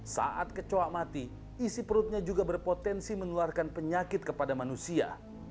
saat kecoa mati isi perutnya juga berpotensi menularkan penyakit kepada manusia